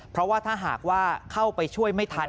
เพราะว่าถ้าหากว่าเข้าไปช่วยไม่ทัน